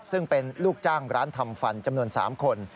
ซึ่งเป็นลูกจ้างร้านทำฟันจำนวน๓คน